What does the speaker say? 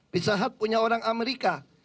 fitza hads punya orang amerika